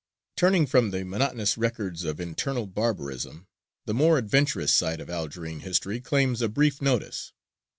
_)] Turning from the monotonous records of internal barbarism, the more adventurous side of Algerine history claims a brief notice.